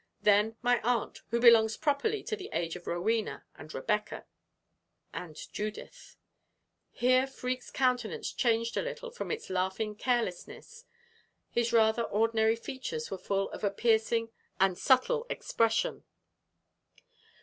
Then my aunt, who belongs properly to the age of Rowena and Rebecca and Judith." Here Freke's countenance changed a little from its laughing carelessness. His rather ordinary features were full of a piercing and subtile expression.